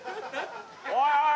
おいおい